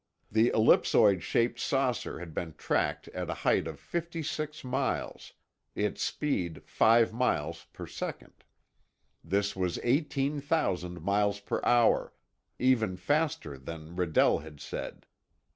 The ellipsoid shaped saucer had been tracked at a height of 56 miles, its speed 5 miles per second. This was 18,000 miles per hour, even faster than Redell had said.